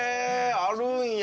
あるんや！